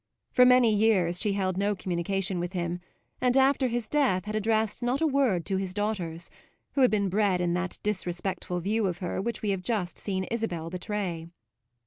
For many years she held no communication with him and after his death had addressed not a word to his daughters, who had been bred in that disrespectful view of her which we have just seen Isabel betray.